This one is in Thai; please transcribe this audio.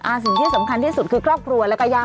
สิ่งที่สำคัญที่สุดคือครอบครัวแล้วก็ย่า